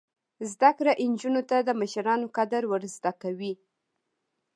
زده کړه نجونو ته د مشرانو قدر ور زده کوي.